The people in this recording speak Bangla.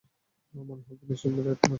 মনে হয় পুলিশ রেইড মারতে এসেছে।